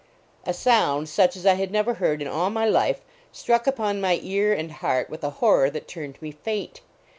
A sound, such as I had never heard in all my life, struck upon my ear and heart with a horror that turned me faint.